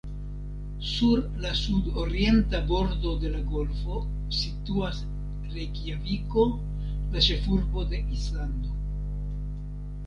Sur la sud-orienta bordo de la golfo situas Rejkjaviko, la ĉefurbo de Islando.